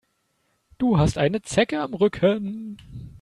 Du hast eine Zecke am Rücken.